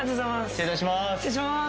失礼いたします